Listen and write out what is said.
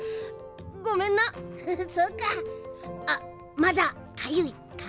まだかゆいか？